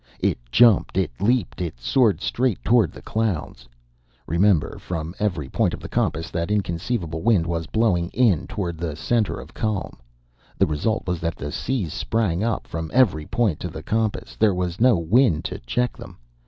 It jumped, it leaped, it soared straight toward the clouds. Remember, from every point of the compass that inconceivable wind was blowing in toward the center of calm. The result was that the seas sprang up from every point of the compass. There was no wind to check them.